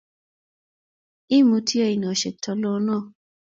Imutii oinosiek tulonok